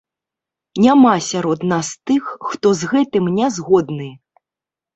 Няма сярод нас тых, хто з гэтым нязгодны!